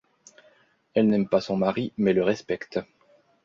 Elle n’aime pas son mari, mais le respecte.